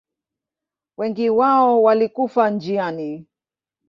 Wengi wao walikufa njiani.